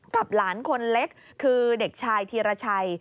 หลานคนเล็กคือเด็กชายธีรชัย